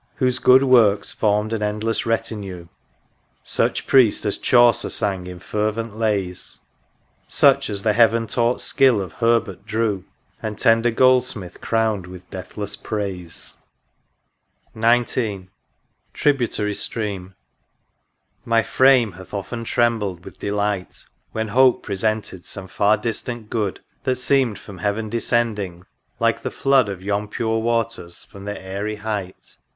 Whose good works formed an endless retinue : Such Priest as Chaucer sang in fervent lays ; Such as the heaven taught skill of Herbert drew; And tender Goldsmith crown'd with deathless praise !^' THE RIVER DUDDON. 21 XIX. TRIBUTARY STREAM. My frame hath often trembled with delight When hope presented some far distant good. That seemed from heaven descending, like the flood Of yon pure waters, from their aery height.